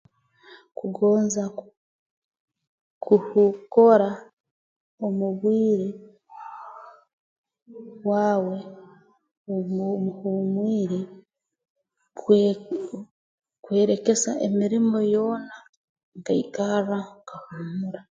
Kugonza ku kuhu kora omu bwire bwawe obw'obuhumwire kwe kwerekesa emirimo yoona nkaikarra nkahuumura